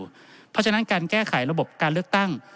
เพราะฉะนั้นการแก้ไขระบบการเลือกตั้ง